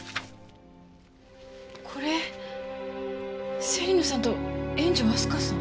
これ芹野さんと円城明日香さん。